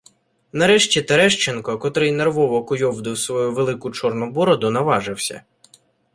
Нарешті Терещенко, котрий нервово куйовдив свою велику чорну бороду, наважився: '